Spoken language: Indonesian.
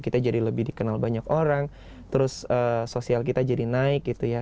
kita jadi lebih dikenal banyak orang terus sosial kita jadi naik gitu ya